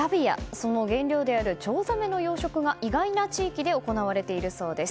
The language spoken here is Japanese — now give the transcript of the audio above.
その原料であるチョウザメの養殖が意外な地域で行われているそうです。